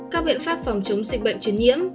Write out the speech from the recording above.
các biện pháp phòng chống dịch bệnh chuyển nhiễm